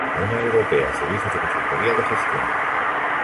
Norma europea "Servicios de consultoría de gestión".